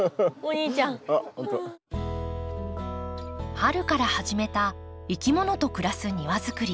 春から始めたいきものと暮らす庭作り。